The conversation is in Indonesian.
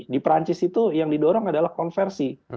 di perancis itu yang didorong adalah konversi